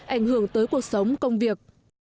ảnh hưởng tới cuộc sống công việc